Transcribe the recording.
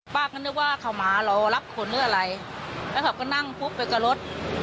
ป้าก็นึกว่าเขามาเรารับคนเมื่ออะไรแล้วเขาก็นั่งปุ๊บไปกับรถ